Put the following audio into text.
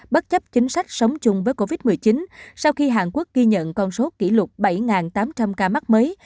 bất chấp chính sách sống chung với covid một mươi chín sau khi hàn quốc ghi nhận con số kỷ lục bảy tám trăm linh ca mắc mới